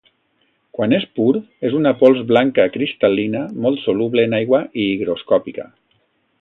Quan és pur és una pols blanca cristal·lina molt soluble en aigua i higroscòpica.